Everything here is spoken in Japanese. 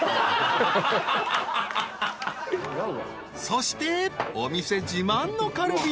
［そしてお店自慢のカルビ］